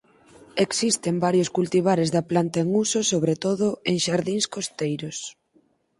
Existen varios cultivares da planta en uso sobre todo en xardíns costeiros.